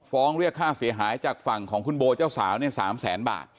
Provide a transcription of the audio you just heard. เรียกค่าเสียหายจากฝั่งของคุณโบเจ้าสาวเนี่ย๓แสนบาท